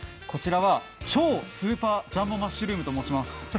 こちらは超スーパージャンボマッシュルームと申します。